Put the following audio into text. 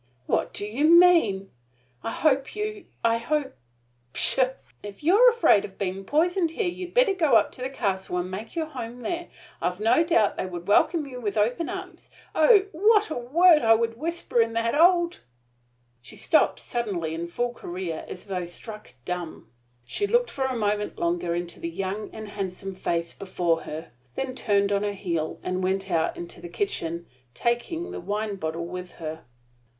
What do you mean? I hope you I hope pshaw! If you're afraid of being poisoned here you'd better go up to the castle and make your home there. I've no doubt they would welcome you with open arms. Oh, what a word I could whisper in that old " She stopped suddenly, in full career, as though struck dumb. She looked for a moment longer into the young and handsome face before her; then turned on her heel, and went out into the kitchen, taking the wine bottle with her.